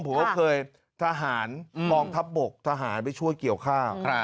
ผมก็เคยทหารกองทัพบกทหารไปช่วยเกี่ยวข้าว